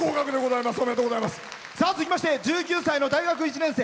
続きまして１９歳の大学１年生。